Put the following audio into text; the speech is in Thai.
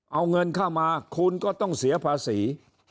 เอาเงินเข้ามาคุณก็ต้องเสียภาษี